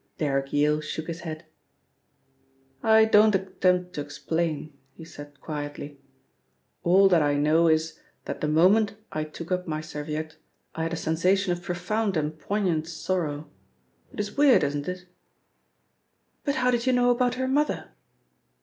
Derrick Yale shook his head. "I don't attempt to explain," he said quietly. "All that I know is that the moment I took up my serviette I had a sensation of profound and poignant sorrow. It is weird, isn't it?" "But how did you know about her mother?"